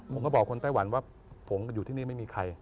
ผมก็บอกคนไต้หวันว่าผมอยู่ที่นี่ไม่มีใคร